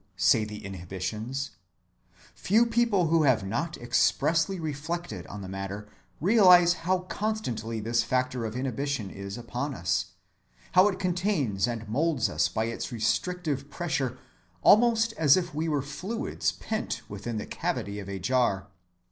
say the inhibitions. Few people who have not expressly reflected on the matter realize how constantly this factor of inhibition is upon us, how it contains and moulds us by its restrictive pressure almost as if we were fluids pent within the cavity of a jar.